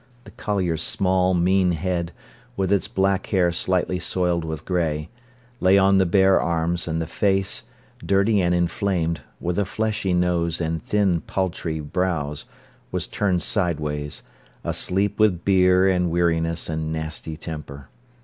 The collier's small, mean head, with its black hair slightly soiled with grey, lay on the bare arms, and the face, dirty and inflamed, with a fleshy nose and thin, paltry brows, was turned sideways, asleep with beer and weariness and nasty temper.